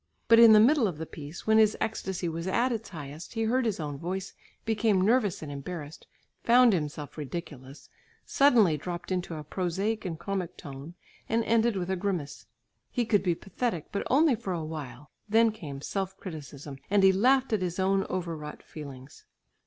But in the middle of the piece, when his ecstasy was at its highest, he heard his own voice, became nervous and embarrassed, found himself ridiculous, suddenly dropped into a prosaic and comic tone and ended with a grimace; he could be pathetic, but only for a while; then came self criticism and he laughed at his own overwrought feelings.